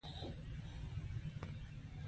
کولمب امريکا په بد حالاتو کې کشف کړه.